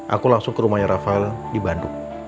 aku langsung ke rumahnya rafael di bandung